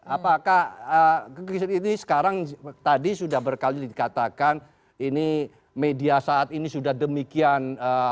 apakah ini sekarang tadi sudah berkali dikatakan ini media saat ini sudah demikian